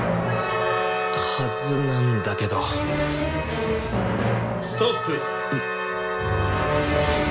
はずなんだけどストップ！